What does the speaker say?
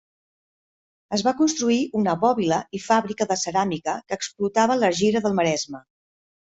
Es va construir una bòbila i fàbrica de ceràmica que explotava l'argila del maresme.